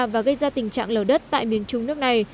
và gây ra tình trạng lở đất tại miền trung nước này